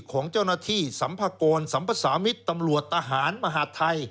ของเจ้าหน้าที่สัมภากรสัมภาษามิตรตำรวจทหารมหาดไทย